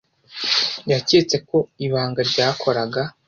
Yaketse ko ibanga ryakoraga